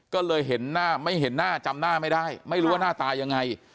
ก็เลยเห็นหน้าไม่เห็นหน้าจำหน้าไม่ได้ไม่รู้ว่าหน้าตายังไง